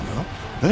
えっ？